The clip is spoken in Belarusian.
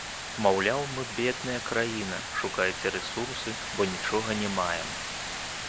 Маўляў, мы бедная краіна, шукайце рэсурсы, бо нічога не маем.